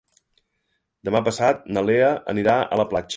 Demà passat na Lea anirà a la platja.